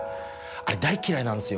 あれ大っ嫌いなんですよ